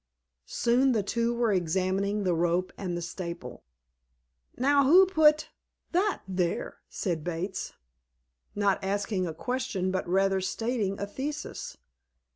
_" Soon the two were examining the rope and the staple. "Now who put that there?" said Bates, not asking a question but rather stating a thesis.